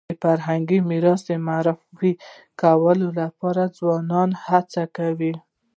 د فرهنګي میراث د معرفي کولو لپاره ځوانان هڅي کوي.